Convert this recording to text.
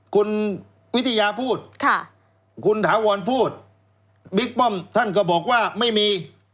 คุณวิทยาพูดคุณถาวรพูดบิ๊กป้อมท่านก็บอกว่าไม่มี